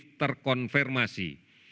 ini positif terkonfirmasi